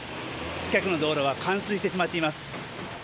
近くの道路は冠水してしまっています。